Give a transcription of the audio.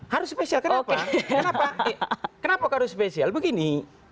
harus spesial kenapa kenapa harus spesial begini